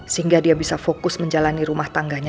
sehingga dia bisa fokus menjalani rumah tangganya